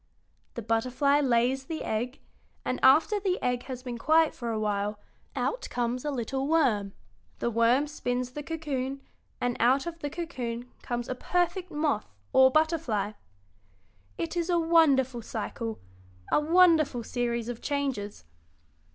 The butterfly lays the egg, and after the egg has been quiet for a while out comes a little worm; the worm spins the cocoon, and out of the cocoon comes a perfect moth, or butterfly. It is a wonderful cycle, a wonderful series of changes.